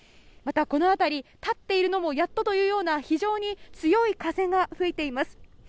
またこの辺り、立っているのもやっとというような非常に強い風が吹いています。